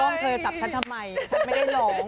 ก้องเธอจับฉันทำไมฉันไม่ได้ร้อง